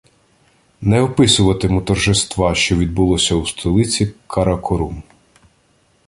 Не описуватиму торжества, що відбулося у столиці Каракорум